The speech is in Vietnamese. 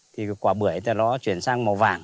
thì cái quả bưởi nó chuyển sang màu vàng